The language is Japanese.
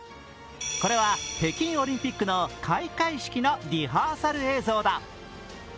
これは北京オリンピックの開会式のリハーサル映像だ。